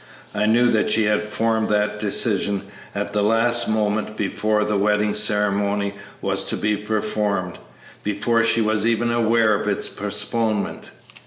I knew that she had formed that decision at the last moment before the wedding ceremony was to be performed, before she was even aware of its postponement.